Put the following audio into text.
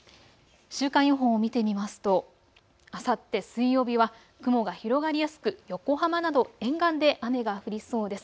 週間予報を見てみますとあさって水曜日は雲が広がりやすく横浜など沿岸で雨が降りそうです。